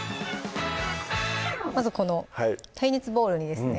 まずこの耐熱ボウルにですね